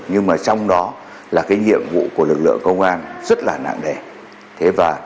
nhưng mà trong đó là cái nhiệm vụ của lực lượng công an rất là nặng đẻ